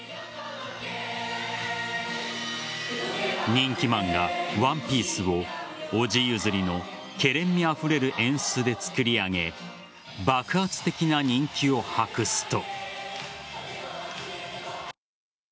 人気漫画「ＯＮＥＰＩＥＣＥ」を伯父譲りのケレンみあふれる演出で作り上げ爆発的な人気を博すと。